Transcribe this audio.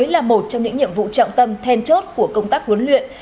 là một trong những nhiệm vụ trọng tâm then chốt của công tác huấn luyện